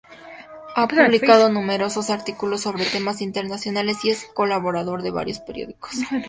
Ha publicado numerosos artículos sobre temas internacionales y es colaborador de varios periódicos.